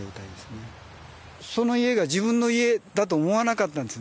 その家が自分の家だと思わなかったんです